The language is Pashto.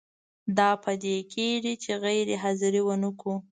دا په دې کیږي چې غیر حاضري ونه کړو.